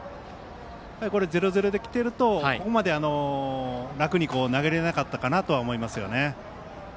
０−０で来ているとここまで楽に投げられなかったかなと思いますよね。